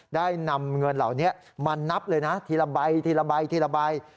ได้นำเงินเหล่านี้มานับเลยนะทีละใบทีละใบทีละใบ